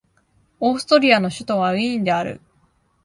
オーストリアの首都はウィーンである